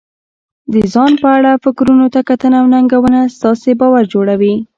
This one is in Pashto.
د ځان په اړه فکرونو ته کتنه او ننګونه ستاسې باور جوړوي.